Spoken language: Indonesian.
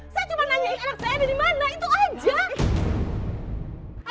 saya cuma nanyain anak saya dari mana itu aja